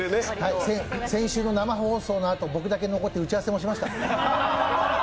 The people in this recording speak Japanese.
先週の生放送のあと僕だけ残って、打ち合わせもしました。